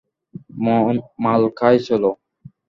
মাল খাই চলো।